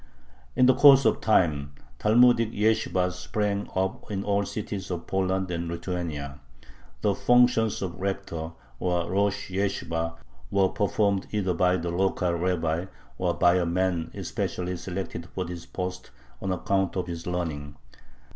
In the course of time Talmudic yeshibahs sprang up in all the cities of Poland and Lithuania. The functions of rector, or rosh yeshibah, were performed either by the local rabbi or by a man especially selected for this post on account of his learning.